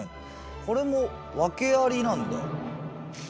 これも訳ありなんだ。